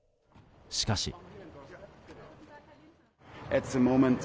しかし。